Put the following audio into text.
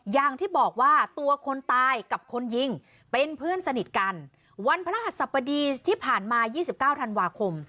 อย่างที่บอกว่าตัวคนตายกับคนยิงเป็นเพื่อนสนิทกันวันพระหัสสัปดีที่ผ่านมา๒๙ธันวาคม